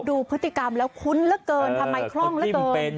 ดูพฤติกรรมแล้วคุ้นเหลือเกินทำไมคล่องเหลือเกิน